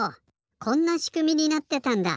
こんなしくみになってたんだ！